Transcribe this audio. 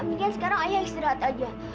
amin kan sekarang ayah istirahat aja